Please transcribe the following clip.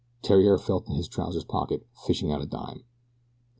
Theriere felt in his trousers' pocket, fishing out a dime.